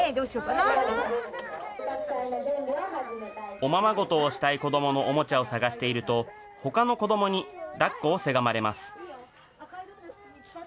おままごとをしたい子どものおもちゃを探していると、ほかの子どもにだっこをせがまれます。